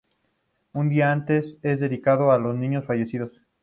Un día antes es dedicado a los niños fallecidos.